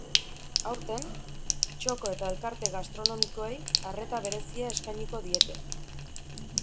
Aurten, txoko eta elkarte gastronomikoei arreta berezia eskainiko diete.